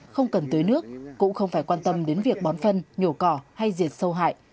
không cần tưới nước cũng không phải quan tâm đến việc bón phân nhổ cỏ hay diệt sâu hại